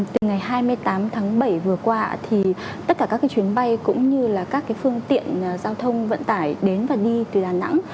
từ ngày hai mươi tám tháng bảy vừa qua thì tất cả các chuyến bay cũng như là các phương tiện giao thông vận tải đến và đi từ đà nẵng